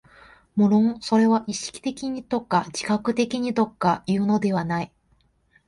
無論それは意識的にとか自覚的にとかいうのではない。